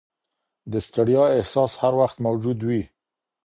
د ستړیا احساس هر وخت موجود وي.